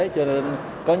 cho nên có những